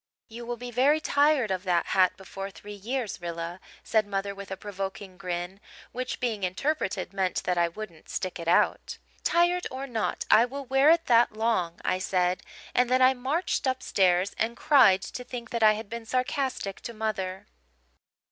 "'You will be very tired of that hat before three years, Rilla,' said mother, with a provoking grin, which, being interpreted, meant that I wouldn't stick it out. "'Tired or not, I will wear it that long,' I said: and then I marched upstairs and cried to think that I had been sarcastic to mother.